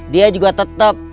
dia juga tetap